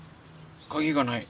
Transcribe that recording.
鍵がない。